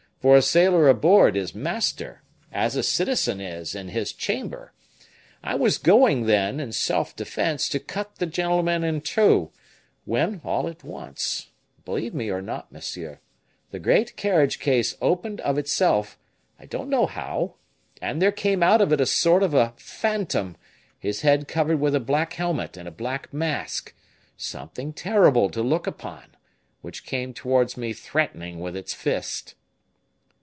for a sailor aboard is master, as a citizen is in his chamber; I was going, then, in self defense, to cut the gentleman in two, when, all at once believe me or not, monsieur the great carriage case opened of itself, I don't know how, and there came out of it a sort of a phantom, his head covered with a black helmet and a black mask, something terrible to look upon, which came towards me threatening with its fist."